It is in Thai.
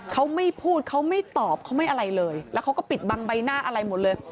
เขาไม่พูดเขาไม่ตอบเขาไม่อะไรเลยแล้วเขาก็ปิดบังใบหน้าอะไรหมดเลย